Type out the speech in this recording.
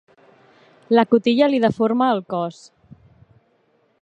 La cotilla li deforma el cos.